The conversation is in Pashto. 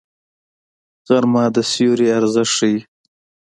غرمه د سیوري ارزښت ښيي